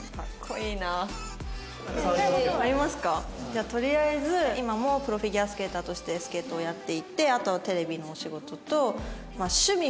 じゃあとりあえず今もプロフィギュアスケーターとしてスケートをやっていてあとはテレビのお仕事と。